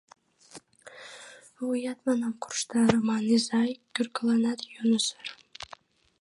— Вуят, манам, коршта, Раман изай, кӧргыланат йӧнысыр.